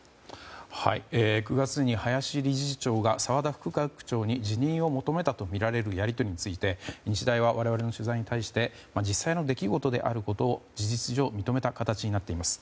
９月に林理事長が澤田副学長に辞任を求めたとみられるやり取りについて日大は我々の取材に対して実際の出来事であることを事実上、認めた形になっています。